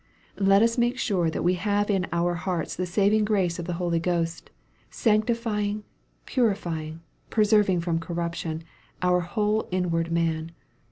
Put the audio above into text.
Let us make sure that we have in our hearts the saving grace of the Holy Ghost, sanctifying, puriiying, preserving from corruption, our whole inward man.